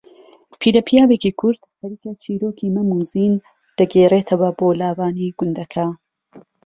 پیرەپیاوێکی کورد خەریکە چیرۆکی مەم و زین دەگێڕەتەوە بۆ لاوانی گوندەکە